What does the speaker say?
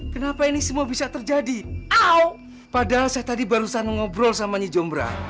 kenapa ini semua bisa terjadi awal padahal saya tadi barusan ngobrol sama jomrang